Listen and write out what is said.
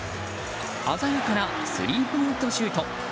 鮮やかなスリーポイントシュート。